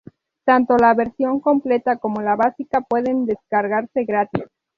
Tanto la versión completa, como la básica pueden descargarse gratis.